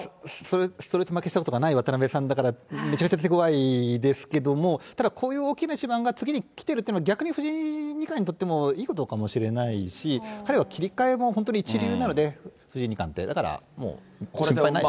ストレート負けしたことがない渡辺さんだから、めちゃくちゃ手ごわいですけど、ただ、こういう大きな一番が次に来てるっていうのは逆に藤井二冠にとってもいいことかもしれないし、彼は切り替えも本当に一流なので、藤井二冠って、だから心配ないです。